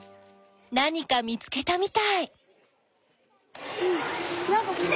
何か見つけたみたい！